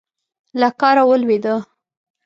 له کاره ولوېده.